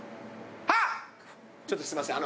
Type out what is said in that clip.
はっちょっとすいません